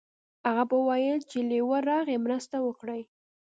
هغه به ویل چې لیوه راغی مرسته وکړئ.